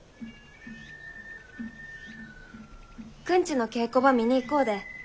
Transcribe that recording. くんちの稽古ば見に行こうで。